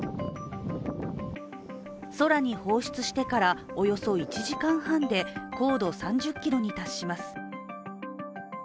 空に放出してからおよそ１時間半で高度３０ｋｍに達します。